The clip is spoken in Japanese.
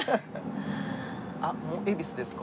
あっもう恵比寿ですか？